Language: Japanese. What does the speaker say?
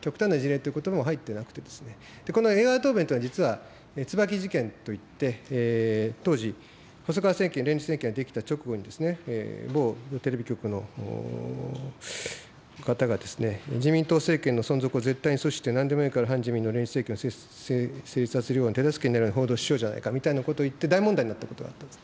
極端な事例ということばも入ってなくて、この江川答弁というのは、実は、つばき事件といって、当時、細川政権、連立政権ができた直後に、某テレビ局の方が、自民党政権の存続を絶対に阻止して、なんでもいいから反自民の連立政権を成立させるよう、手助けになる報道をしようじゃないかと言って、大問題になったことがあったんです。